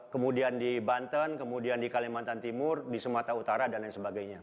kemudian di banten kemudian di kalimantan timur di sumatera utara dan lain sebagainya